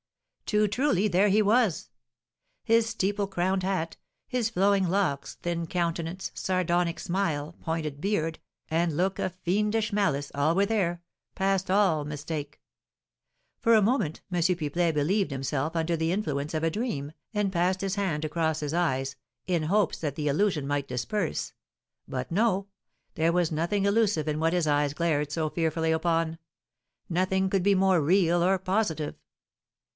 Too truly, there he was. His steeple crowned hat, his flowing locks, thin countenance, sardonic smile, pointed beard, and look of fiendish malice, all were there, past all mistake. For a moment, M. Pipelet believed himself under the influence of a dream, and passed his hand across his eyes, in hopes that the illusion might disperse; but no; there was nothing illusive in what his eyes glared so fearfully upon, nothing could be more real or positive.